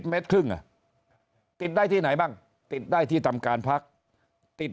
เมตรครึ่งอ่ะติดได้ที่ไหนบ้างติดได้ที่ทำการพักติด